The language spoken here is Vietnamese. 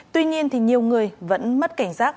tuy nhiên thì nhiều người vẫn mất cảnh giác